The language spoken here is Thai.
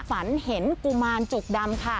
ฝันเห็นกุมารจุกดำค่ะ